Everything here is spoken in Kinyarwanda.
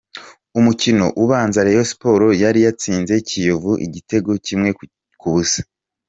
Umukino ubanza Rayon Sport yari yatsinze Kiyovu igitego kimwe ku busa.